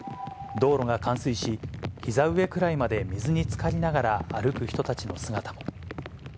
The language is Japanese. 道路が冠水し、ひざ上くらいまで水につかりながら歩く人たちの姿も。